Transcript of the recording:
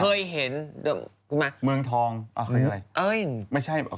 เคยเห็นดูมาเมืองทองอ้าวเคยอะไร